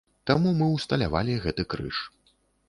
Таму мы ўсталявалі гэты крыж.